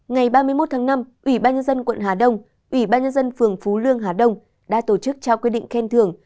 ngày ba mươi một tháng năm ủy ban nhân dân quận hà đông ủy ban nhân dân phường phú lương hà đông đã tổ chức trao quyết định khen thưởng